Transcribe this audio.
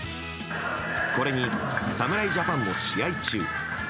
これに侍ジャパンの試合中